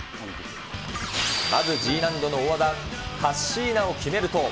まずＧ難度の大技、カッシーナを決めると。